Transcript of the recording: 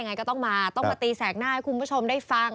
ยังไงก็ต้องมาต้องมาตีแสกหน้าให้คุณผู้ชมได้ฟัง